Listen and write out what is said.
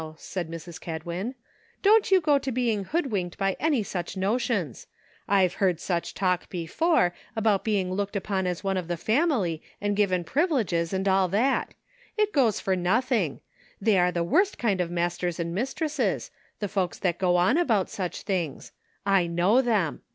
said Mrs. Kedwin, "don't you go to being hoodwinked by any such notions ; I've heard such talk before, about being looked upon as one of the family, and given privileges, and all that ; it goes for nothing ; they are the worst kind of masters and mistresses, the folks that go on about such things ; I know them.